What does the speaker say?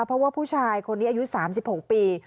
เพราะว่าผู้ชายคนนี้อายุ๓๖ปี